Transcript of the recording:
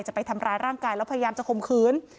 จะไปทำร้ายร่างกายแล้วพยายามจะข่มขืน